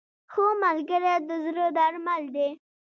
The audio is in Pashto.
• ښه ملګری د زړه درمل دی.